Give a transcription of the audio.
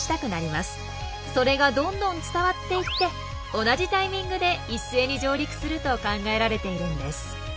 それがどんどん伝わっていって同じタイミングで一斉に上陸すると考えられているんです。